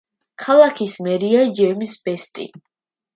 ქალაქის მერია ჯეიმზ ბესტი.